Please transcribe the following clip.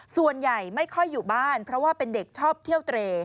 ส่วนใหญ่ไม่ค่อยอยู่บ้านเพราะว่าเป็นเด็กชอบเที่ยวเตร